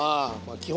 基本